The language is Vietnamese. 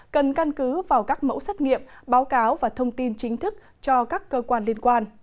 cần căn cứ vào các mẫu xét nghiệm báo cáo và thông tin chính thức cho các cơ quan liên quan